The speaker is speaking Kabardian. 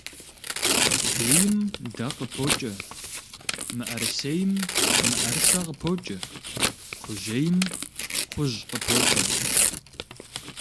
Дейм дэ къыпокӏэ, мыӏэрысейм мыӏэрысэ къыпокӏэ, кхъужьейм кхъужь къыпокӏэ.